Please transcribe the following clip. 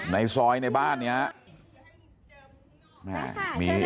ในซอยในบ้านเนี่ย